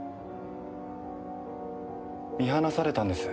見放されたんです。